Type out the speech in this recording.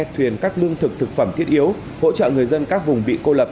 thuyền các lương thực thực phẩm thiết yếu hỗ trợ người dân các vùng bị cô lập